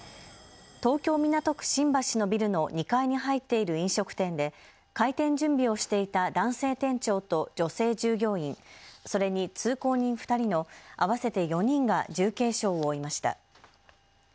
東京港区新橋のビルの２階に入っている飲食店で開店準備をしていた男性店長と女性従業員、それに通行人２人の合わせて４人が重軽傷を負いました。